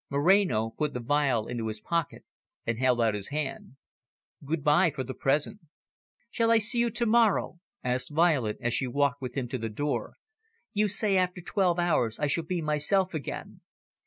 Moreno put the phial into his pocket, and held out his hand. "Good bye, for the present." "Shall I see you to morrow?" asked Violet, as she walked with him to the door. "You say after about twelve hours I shall be myself again."